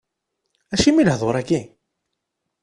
Acimi lehdur-agi?